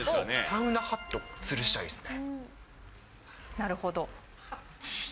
サウナハット、つるしたいでなるほど。